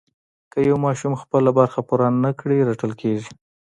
که یو ماشوم خپله برخه پوره نه کړي رټل کېږي.